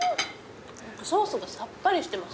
ソースがさっぱりしてます。